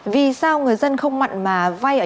vì sao người dân không mặn mà vay ở nhà